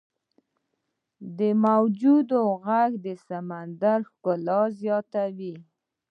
• د موجونو ږغ د سمندر ښکلا زیاتوي.